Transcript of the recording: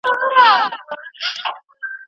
اسټروېډونه کوچني فضايي اجرام دي.